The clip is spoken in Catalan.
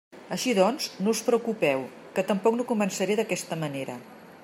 Així doncs, no us preocupeu, que tampoc no començaré d'aquesta manera.